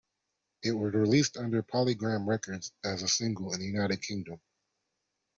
It was released under PolyGram Records as a single in the United Kingdom.